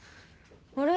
あれ？